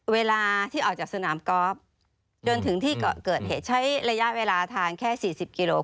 เวลาที่ออกจากสนามกอล์ฟจนถึงที่เกาะเกิดเหตุใช้ระยะเวลาทางแค่๔๐กิโล